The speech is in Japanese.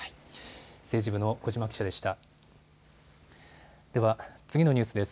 政治部の小嶋記者でした。